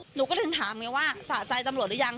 หนูก็ถึงถามไงว่าสะใจตำรวจหรือยัง